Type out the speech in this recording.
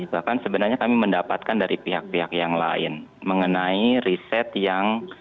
bahkan sebenarnya kami mendapatkan dari pihak pihak yang lain mengenai riset yang